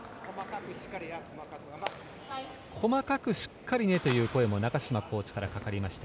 細かくしっかりねという声も中島コーチからかかりました。